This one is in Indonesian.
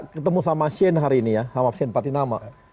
ketemu sama shane hari ini ya hawab shane patinama